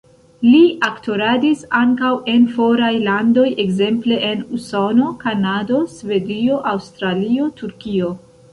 Li aktoradis ankaŭ en foraj landoj, ekzemple en Usono, Kanado, Svedio, Aŭstralio, Turkio.